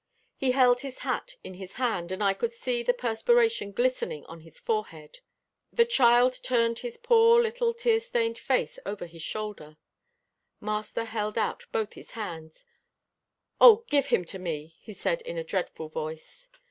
He held his hat in his hand, and I could see the perspiration glistening on his forehead. The child turned his poor, little, tear stained face over his shoulder. Master held out both his hands, "Oh! give him to me!" he said in a dreadful voice.